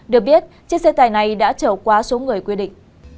được biết chiếc xe tài này đã trở qua số người quyết định